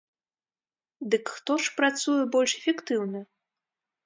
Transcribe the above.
Дык хто ж працуе больш эфектыўна?